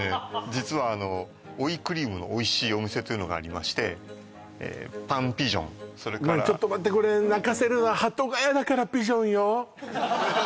実はあの追いクリームのおいしいお店というのがありましてパン・ピジョンそれからちょっと待ってこれ泣かせるわ「ｐｉｇｅｏｎ」って「鳩」だからね